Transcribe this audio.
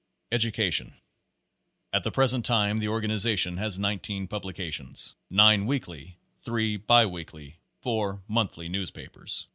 Education At the present time the organization has nineteen publications, nine weekly, three bi weekly, four month ly newspapers.